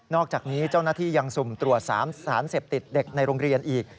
อกจากนี้เจ้าหน้าที่ยังสุ่มตรวจ๓สารเสพติดเด็กในโรงเรียนอีก